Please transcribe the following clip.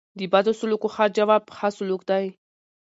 د بدو سلوکو ښه جواب؛ ښه سلوک دئ.